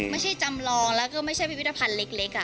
จำลองแล้วก็ไม่ใช่พิพิธภัณฑ์เล็ก